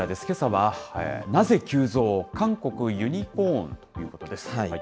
けさは、なぜ急増、韓国ユニコーンということです。